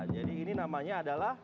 jadi ini namanya adalah